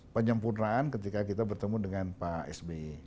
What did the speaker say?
penyempurnaan ketika kita bertemu dengan pak sby